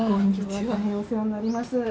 今日は大変お世話になります。